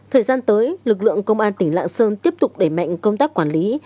thời gian tới lực lượng công an tỉnh lạng sơn tiếp tục đẩy mạnh công tác quản lý